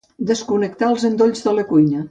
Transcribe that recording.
Desconnectar els endolls de la cuina.